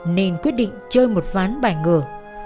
nên quyết định chơi một ván bài ngờ